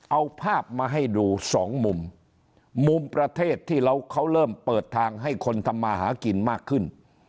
เอาภาพมาให้ดูสองมุมมุมประเทศที่เราเขาเริ่มเปิดทางให้คนทำมาหากินมากขึ้น